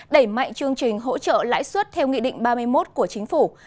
đẩy mạnh chương trình hỗ trợ lãi suất theo nghị định ba mươi một của chính phủ